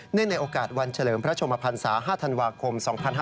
ในโอกาสวันเฉลิมพระชมพันศา๕ธันวาคม๒๕๕๙